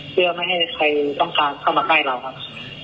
เพื่อไม่ให้ใครต้องการเข้ามาใกล้เราครับ